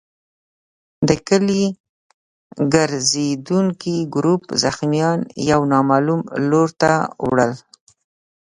د کلي ګرزېدونکي ګروپ زخمیان يو نامعلوم لور ته وړل.